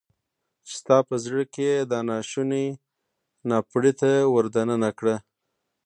چې ستا په زړه کې يې دا ناشونی ناپړیته ور دننه کړه.